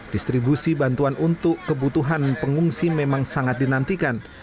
distribusi bantuan untuk kebutuhan pengungsi memang sangat dinantikan